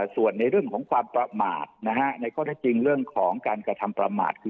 ส่วนในเรื่องของความประหมาตินะฮะในข้อแรกจริงเรื่องของการกระทำประหมาติ